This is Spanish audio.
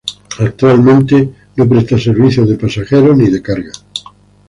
Actualmente, no presta servicios de pasajeros ni de cargas.